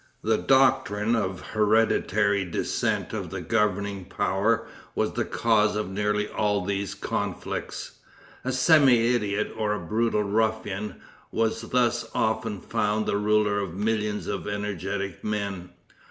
The doctrine of the hereditary descent of the governing power was the cause of nearly all these conflicts. A semi idiot or a brutal ruffian was thus often found the ruler of millions of energetic men.